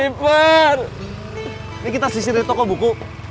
ini kita sisir dari toko buku